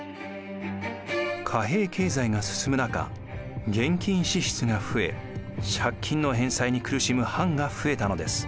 貨幣経済が進む中現金支出が増え借金の返済に苦しむ藩が増えたのです。